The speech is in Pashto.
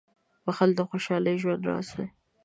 • بښل د خوشحال ژوند راز دی.